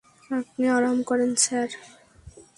আপনি আরাম করেন, স্যার।